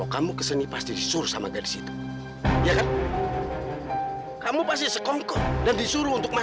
sampai jumpa di video selanjutnya